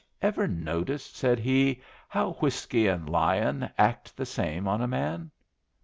"Ever notice," said he, "how whiskey and lyin' act the same on a man?"